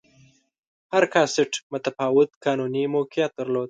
هر کاسټ متفاوت قانوني موقعیت درلود.